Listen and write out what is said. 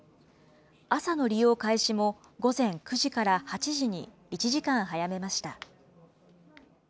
朝の利用開始も、午前９時から８時に、１時間早めました。